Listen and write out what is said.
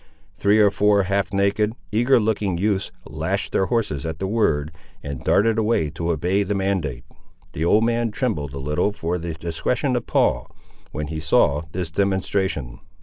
Three or four half naked, eager looking youths lashed their horses at the word, and darted away to obey the mandate. The old man trembled a little for the discretion of Paul, when he saw this demonstration.